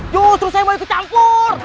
yuk terus saya bawa itu campur